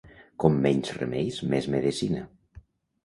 Com menys remeis, més medecina.